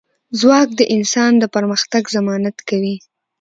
ځواک د انسان د پرمختګ ضمانت کوي.